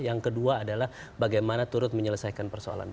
yang kedua adalah bagaimana turut menyelesaikan persoalan